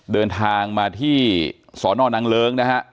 เดินทางมาที่สนนางเลิ้งนะฮะ